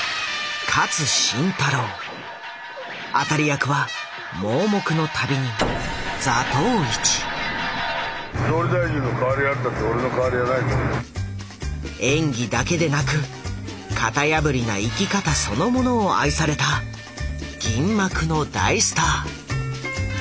当たり役は盲目の旅人演技だけでなく型破りな生き方そのものを愛された銀幕の大スター。